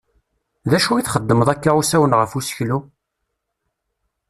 D acu i txeddmeḍ akka usawen ɣef useklu?